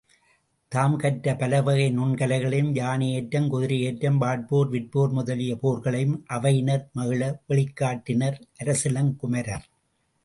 தாம் கற்ற பலவகை நுண்கலைகளையும் யானையேற்றம், குதிரையேற்றம், வாட்போர், விற்போர் முதலிய போர்களையும் அவையினர் மகிழ வெளிக்காட்டினர் அரசிளங்குமரர்.